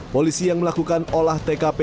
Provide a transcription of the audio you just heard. polisi yang melakukan olah tkp